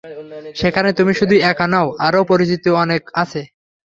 সেখানে তুমি শুধু একা নও আরো পরিচিত অনেকে আছে।